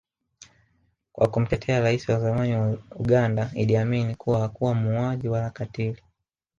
kwa kumtetea rais wa zamani wa Uganda Idi Amin kuwa hakuwa muuaji Wala katili